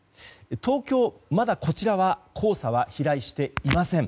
東京はまだ黄砂は飛来していません。